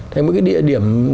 thành một cái địa điểm